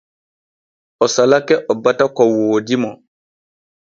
O salake o bata ko woodi mo.